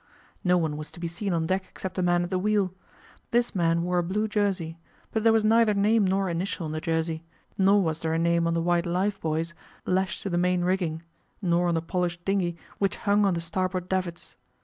No one was to be seen on deck except the man at the wheel: this man wore a blue jersey; but there was neither name nor initial on the jersey, nor was there a name on the white life buoys lashed to the main rigging, nor on the polished dinghy which hung on the starboard davits.